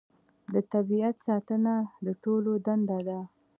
د طبیعت ساتنه د ټولو دنده ده